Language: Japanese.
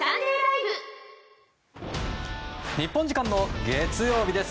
日本時間の月曜日です。